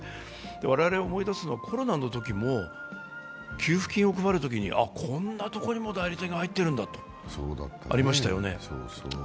我々、思い出すのは、コロナのときも給付金を配るときにこんなところにも代理店が入っているんだということがありましたよね。